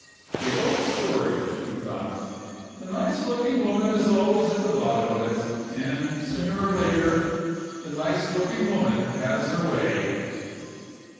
"The old story," he thought. "The nice looking woman is always at the bottom of it; and, sooner or later, the nice looking woman has her way."